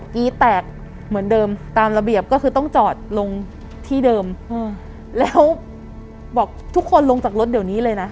กี้แตกเหมือนเดิมตามระเบียบก็คือต้องจอดลงที่เดิมแล้วบอกทุกคนลงจากรถเดี๋ยวนี้เลยนะ